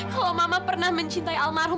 kalau mama pernah mencintai almarhum